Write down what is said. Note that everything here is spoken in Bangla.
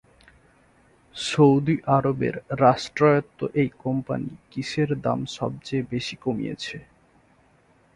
সৌদি আরবের রাষ্ট্রায়ত্ত এই কোম্পানি কিসের দাম সবচেয়ে বেশি কমিয়েছে?